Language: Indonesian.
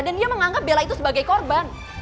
dan dia menganggap bella itu sebagai korban